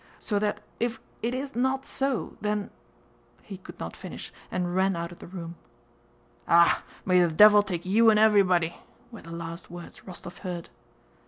So that if it is not so, then..." He could not finish, and ran out of the room. "Ah, may the devil take you and evewybody," were the last words Rostóv heard.